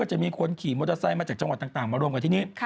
จะมีคนขี่รถบนแบบมอเตอร์ไซด์มาจากช่องหวัดมาร่วมกันทีนี้